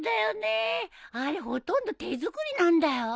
あれほとんど手作りなんだよ。